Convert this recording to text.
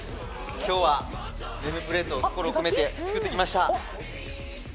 今日はネームプレートを心込めて作ってきました。